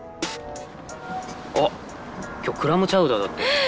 あっ今日クラムチャウダーだって。